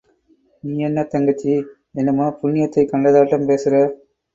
நீ என்ன தங்கச்சி, என்னமோ புண்ணியத்தைக் கண்டதாட்டம் பேசுறே?...